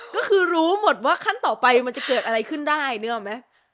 ก็คือรู้หมดว่าขั้นต่อไปมันจะเกิดอะไรขึ้นได้นึกออกไหม